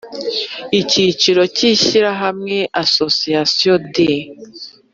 Icyicaro cy Ishyirahamwe Association des